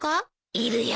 いるよ。